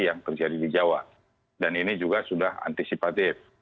yang terjadi di jawa dan ini juga sudah antisipatif